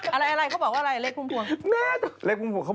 อะไรเค้าบอกว่าอะไรเลขคุณภูมิภวง